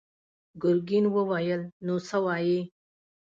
ګرګين وويل: نو څه وايې؟